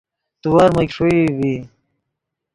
تیور میگ ݰوئی ڤی